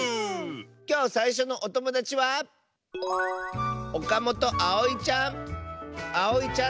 きょうさいしょのおともだちはあおいちゃんの。